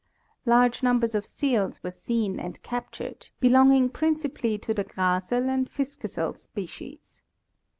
Large numbers of seals were seen and captured, belonging principally to the Graasel and Fiskesel species.